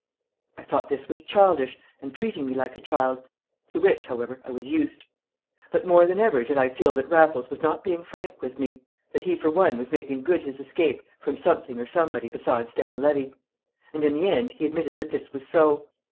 I thought this was childish, and treating me like a child, to which, however, I was used; but more than ever did I feel that Raffles was not being frank with me, that he for one was making good his escape from something or somebody besides Dan Levy. And in the end he admitted that this was so.